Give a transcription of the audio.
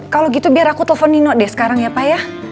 kalau gitu biar aku telepon nino deh sekarang ya pak ya